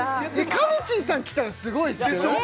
かみちぃさんきたらすごいでしょ？